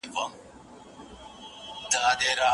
ایا معلم صاحب زموږ پاڼه وړاندي کوي؟